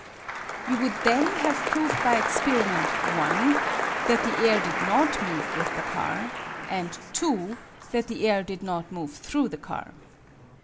You would then have proved by experiment ( i ) that the air did not move with the car and (2) that the air did not move through the car.